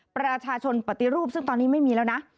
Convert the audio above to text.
ปฏิรูปซึ่งตอนนี้ไม่มีแล้วนะ